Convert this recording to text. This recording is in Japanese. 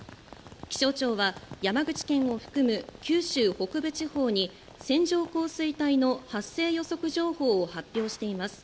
気象庁は山口県を含む九州北部地方に線状降水帯の発生予測情報を発表しています。